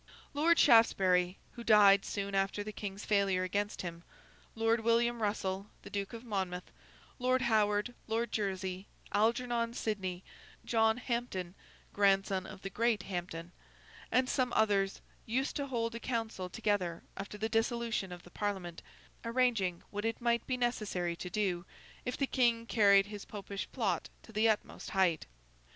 Lord Shaftesbury (who died soon after the King's failure against him), Lord William Russell, the Duke of Monmouth, Lord Howard, Lord Jersey, Algernon Sidney, John Hampden (grandson of the great Hampden), and some others, used to hold a council together after the dissolution of the Parliament, arranging what it might be necessary to do, if the King carried his Popish plot to the utmost height.